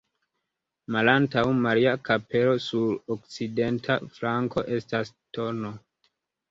Malantaŭ Maria-kapelo sur okcidenta flanko estas tn.